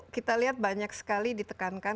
kita lihat banyak sekali ditekankan